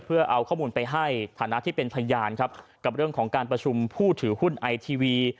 เพื่อเอาข้อมูลไปให้ฐานะที่เป็นพยานครับกับเรื่องของการประชุมผู้ถือหุ้นไอทีวี